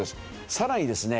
さらにですね